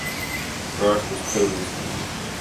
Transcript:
Rosch was killed instantly.